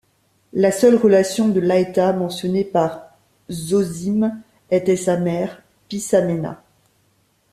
La seule relation de Laeta mentionnée par Zosime était sa mère Pissamena.